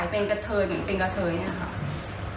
ผู้ชายเป็นกะเทยครับ